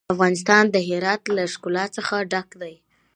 افغانستان د هرات له ښکلا څخه ډک دی.